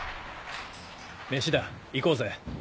めしだ行こうぜ。